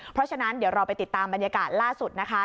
เพราะฉะนั้นเดี๋ยวเราไปติดตามบรรยากาศล่าสุดนะคะ